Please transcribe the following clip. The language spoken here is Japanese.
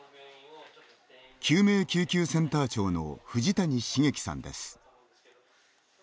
救命救急センター長の藤谷茂樹さんです。